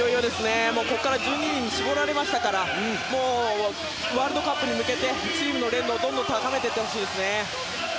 １２人に絞られましたからここからワールドカップに向けてチームの練度をどんどん高めていってほしいですね。